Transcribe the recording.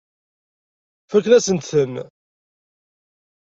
Fakken-asent-ten.